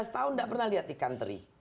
lima belas tahun tidak pernah lihat ikan teri